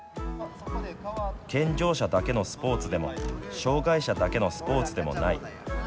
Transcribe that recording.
健常者だけのスポーツでも障害者だけのスポーツでもない。